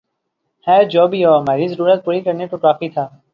خیر جو بھی ہو ، ہماری ضرورت پوری کرنے کو کافی تھا